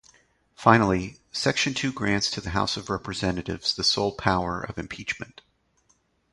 Finally, Section Two grants to the House of Representatives the sole power of impeachment.